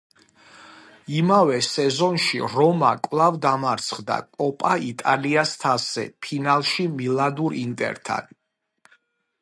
იმავე სეზონში რომა კვლავ დამარცხდა კოპა იტალიას თასზე ფინალში მილანურ ინტერთან.